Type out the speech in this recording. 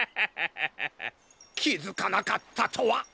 きづかなかったとは。